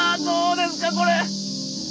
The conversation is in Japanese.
どうですかこれ！